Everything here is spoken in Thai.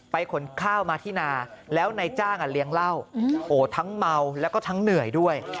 ขนข้าวมาที่นาแล้วนายจ้างเลี้ยงเหล้าทั้งเมาแล้วก็ทั้งเหนื่อยด้วย